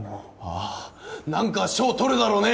ああなんか賞取るだろうね！